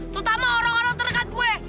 terutama orang orang terdekat gue